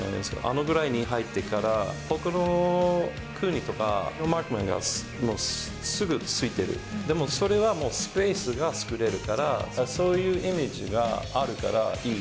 あのぐらいに入ってから、ほかの国とかのマークマンが、すぐついてる、でもそれはもうスペースが作れるから、そういうイメージがあるからいい。